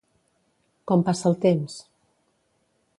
Com passa el temps?